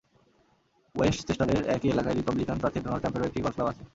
ওয়েস্টচেস্টারের একই এলাকায় রিপাবলিকান প্রার্থী ডোনাল্ড ট্রাম্পেরও একটি গলফ ক্লাব আছে।